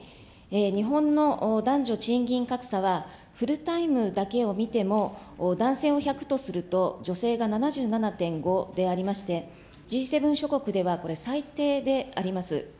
日本の男女賃金格差は、フルタイムだけを見ても、男性を１００とすると、女性が７７．５でありまして、Ｇ７諸国では、これ、最低であります。